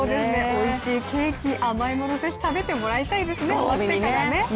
おいしいケーキ、甘いもの是非食べてもらいたいですね、終わってからね。